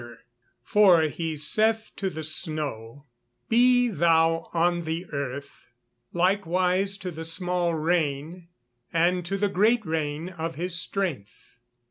[Verse: "For he saith to the snow, Be thou on the earth; likewise to the small rain, and to the great rain of his strength."